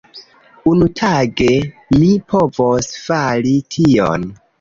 Unutage mi povos fari tion.